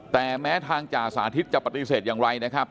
แต่แม้ทางจ่าสาธิตจะปฏิเสธอย่างไรนะครับ